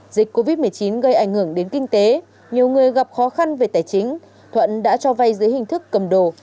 dịch covid một mươi chín gây ảnh hưởng đến kinh tế nhiều người gặp khó khăn về tài chính thuận đã cho vay dưới hình thức cầm đồ